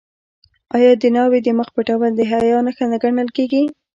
آیا د ناوې د مخ پټول د حیا نښه نه ګڼل کیږي؟